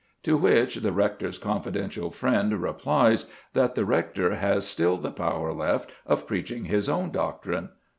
To which the rector's confidential friend replies that the rector has still the power left of preaching his own doctrine.